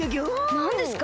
なんですか？